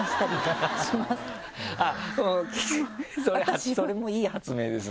あっそれもいい発明ですね。